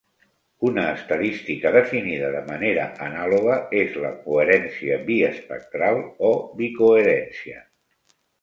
Una estadística definida de manera anàloga és la "coherència biespectral" o "bicoherencia".